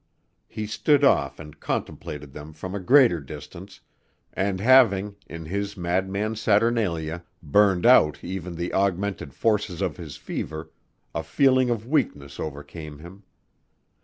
He stood off and contemplated them from a greater distance and having, in his madman's saturnalia, burned out even the augmented forces of his fever, a feeling of weakness overcame him.